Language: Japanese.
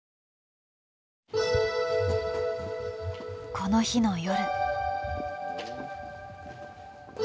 この日の夜。